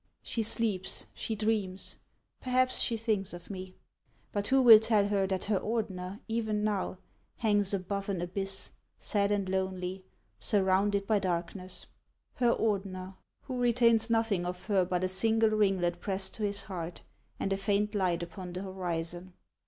She sleeps, she dreams, perhaps she thinks of me ! But who will tell her that her Ordener even now hangs above an abyss, sad and lonely, surrounded by dark ness, — her Ordener, who retains nothing of her but a single ringlet pressed to his heart and a faint light upon the horizon